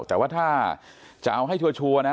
แต่ว่าถ้าจะเอาให้ชัวร์นะ